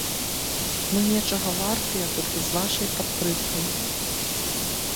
Мы нечага вартыя толькі з вашай падтрымкай!